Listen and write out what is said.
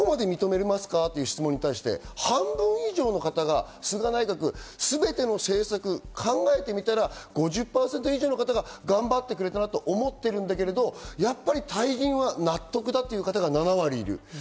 菅内閣ってどこまで認めますか？っていう質問に対して半分以上の方が菅内閣、全ての政策を考えてみたら５０％以上の方が頑張ってくれたなと思ってるんだけど、やっぱり退陣が納得だという方が７割。